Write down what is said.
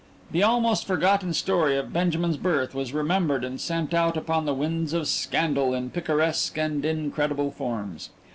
The almost forgotten story of Benjamin's birth was remembered and sent out upon the winds of scandal in picaresque and incredible forms.